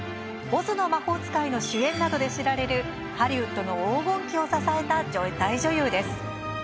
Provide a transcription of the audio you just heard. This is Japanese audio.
「オズの魔法使い」の主演などで知られるハリウッドの黄金期を支えた大女優です。